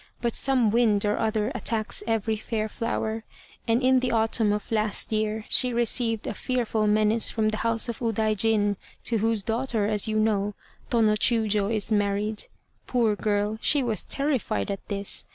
But some wind or other attacks every fair flower; and, in the autumn of last year, she received a fearful menace from the house of Udaijin, to whose daughter, as you know, Tô no Chiûjiô is married. Poor girl, she was terrified at this.